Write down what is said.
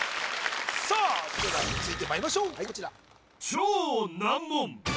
さあそれでは続いてまいりましょうこちら